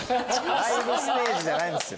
ライブステージじゃないんですよ。